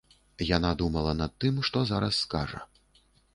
Яна думала над тым, што зараз скажа.